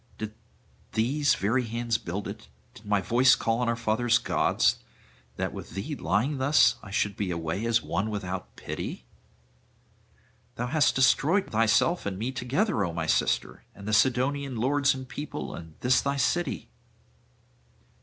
Did these very hands build it, did my voice call on our father's gods, that with thee lying thus I should be away as one without pity? Thou hast destroyed thyself and me together, O my sister, and the Sidonian lords and people, and this thy city.